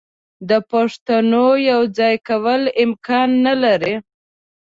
د پښتونو یو ځای کول امکان نه لري.